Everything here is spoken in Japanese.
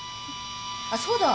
あっそうだ。